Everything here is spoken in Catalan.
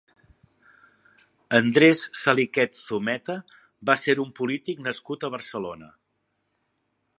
Andrés Saliquet Zumeta va ser un polític nascut a Barcelona.